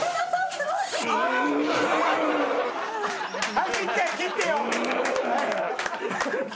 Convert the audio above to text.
はい切って切ってよ。